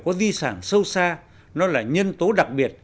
có di sản sâu xa nó là nhân tố đặc biệt